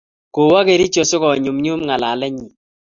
kowo kericho si ko nyumnyum ng'alalet nyi